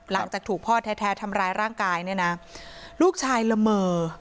หลังจากถูกพ่อแท้ทำร้ายร่างกายเนี่ยนะลูกชายละเมอ